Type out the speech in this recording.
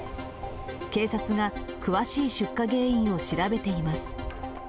警察が詳しい出火原因を調べています。